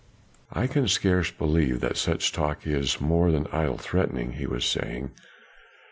"I can scarce believe that such talk is more than idle threatening," he was saying.